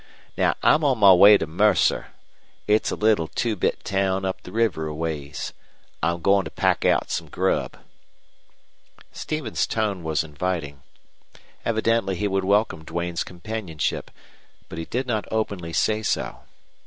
Now, I'm on my way to Mercer. It's a little two bit town up the river a ways. I'm goin' to pack out some grub." Stevens's tone was inviting. Evidently he would welcome Duane's companionship, but he did not openly say so.